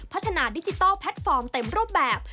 พัฒนาดิจิทัลแพลตฟอร์มเต็มรูปแบบ